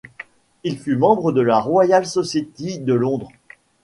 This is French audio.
Il fut membre de la Royal Society de Londres.